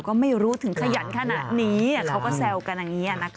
ก็ไม่รู้ถึงขยันขนาดนี้เขาก็แซวกันอย่างนี้นะคะ